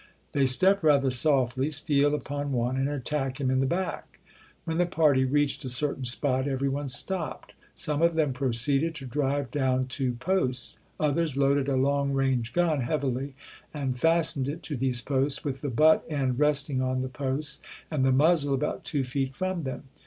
They step rather softly, steal upon one and attack him in the back". When the party reached a certain spot, every one stopped. Some of them proceeded to drive down two posts. Others loaded a long range gun heavily and fastened it to these posts with the butt end resting on the posts and the muzzle about two feet from them.